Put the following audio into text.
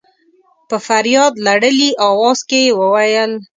په فرياد لړلي اواز کې يې وويل.